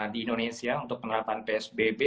di indonesia untuk penerapan psbb